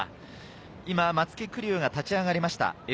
今、松木玖生が立ち上がりました。